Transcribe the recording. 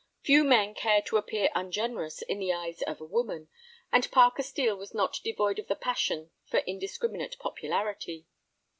Few men care to appear ungenerous in the eyes of a woman, and Parker Steel was not devoid of the passion for indiscriminate popularity.